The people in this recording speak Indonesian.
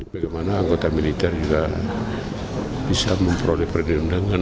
bagaimana anggota militer juga bisa memperoleh perdendangan